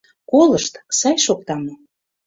Колышт, сай шокта мо?